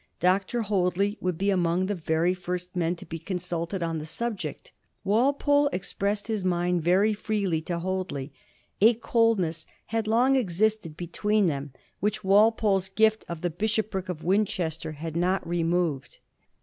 Dr. Hoadley would be among the very first men to be consulted on the subject. Walpole expressed his mind very freely to Hoadley. A coldness had long existed between them, which Walpole's gift of the Bishopric of Winchester had not removed.